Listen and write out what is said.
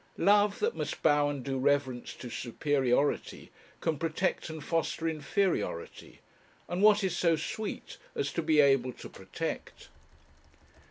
Love, that must bow and do reverence to superiority, can protect and foster inferiority; and what is so sweet as to be able to protect?